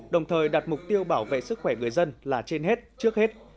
đồng thời đặt mục tiêu bảo vệ sức khỏe người dân là trên hết trước hết